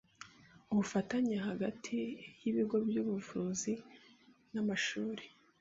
Ubufatanye Hagati y’Ibigo by’Ubuvuzi n’Amashuri